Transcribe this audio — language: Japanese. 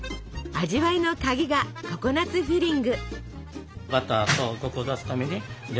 味わいの鍵がココナツフィリング。